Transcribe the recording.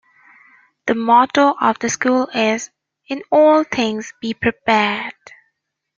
The motto of the school is "in all things be prepared".